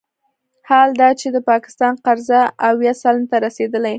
حال دا چې د پاکستان قرضه اویا سلنې ته رسیدلې